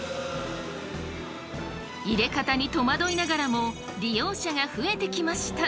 入れ方に戸惑いながらも利用者が増えてきました。